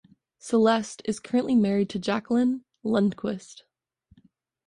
Celeste is currently married to Jacqueline Lundquist.